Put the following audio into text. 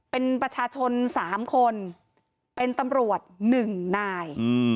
เป็นประชาชน๓คนเป็นตำรวจ๑นาย